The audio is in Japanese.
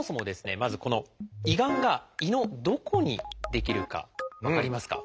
まずこの胃がんが胃のどこに出来るか分かりますか？